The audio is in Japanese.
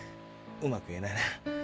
うまく言えないな。